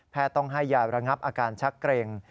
ต้องให้ยาระงับอาการชักเกร็ง